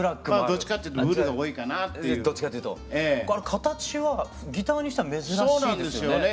形はギターにしては珍しいですよね。